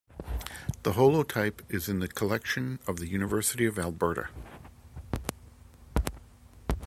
The holotype is in the collection of the University of Alberta.